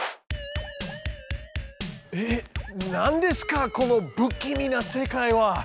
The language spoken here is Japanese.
えっなんですかこの不気味な世界は！？